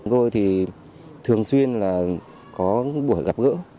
tôi thì thường xuyên là có buổi gặp gỡ